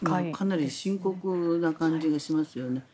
かなり深刻な感じがしますよね。